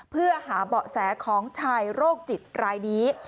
เพื่อหาเบาะแสของชายโรคจิตรายนี้